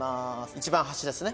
一番端ですね。